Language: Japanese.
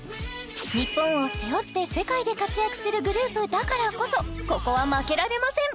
日本を背負って世界で活躍するグループだからこそここは負けられません